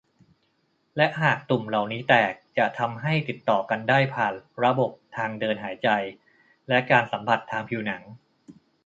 และหากตุ่มเหล่านี้แตกก็จะทำให้ติดต่อกันได้ผ่านระบบทางเดินหายใจ และการสัมผัสทางผิวหนัง